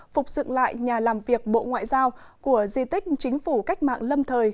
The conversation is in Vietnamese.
phục dựng lại nhà làm việc bộ ngoại giao của di tích chính phủ cách mạng lâm thời